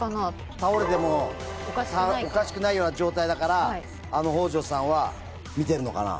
倒れてもおかしくないような状態だから北条さんは見てるのかな？